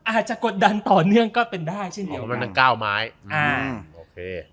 อาจจะกดดันต่อเนื่องก็เป็นได้ใช่ไหมอ๋อมันเป็นเก้าไม้อ่าโอเค